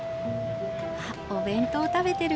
あっお弁当食べてる。